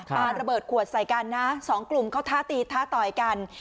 ปลาระเบิดขวดใส่กันนะสองกลุ่มเขาท้าตีท้าต่อยกัน